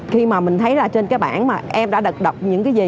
khi mà mình thấy là trên cái bản mà em đã đật đọc những cái gì